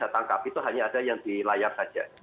saya tidak bisa menangkap itu hanya ada yang dilayar saja